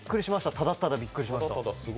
ただただびっくりしました。